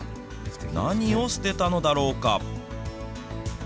何を捨てたのだろうか。